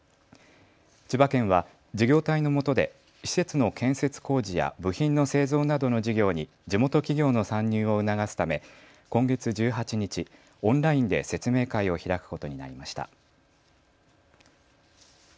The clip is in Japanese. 千葉県は事業体のもとで施設の建設工事や部品の製造などの事業に地元企業の参入を促すため今月１８日、オンラインで説明会を開くことになりました。